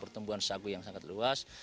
pertumbuhan sagu yang sangat luas